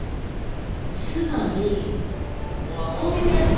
つまりこういうやつだね？